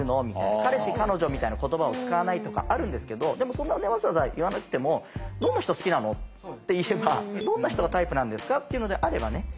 彼氏彼女みたいな言葉を使わないとかあるんですけどでもそんなわざわざ言わなくても「どんな人好きなの？」って言えば「どんな人がタイプなんですか？」っていうのであればね